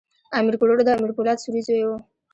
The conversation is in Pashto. امیر کروړ د امیر پولاد سوري زوی وو.